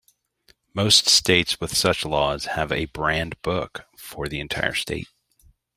Most states with such laws have a Brand Book for the entire state.